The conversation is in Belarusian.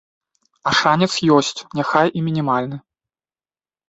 А шанец ёсць, няхай і мінімальны.